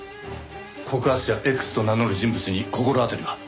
告発者Ｘと名乗る人物に心当たりは？